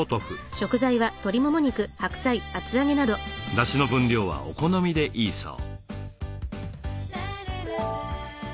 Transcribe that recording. だしの分量はお好みでいいそう。